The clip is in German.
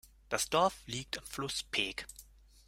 Das Dorf liegt am Fluss Pek.